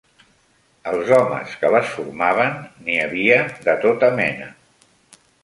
Els homes que les formaven, n'hi havia de tota mena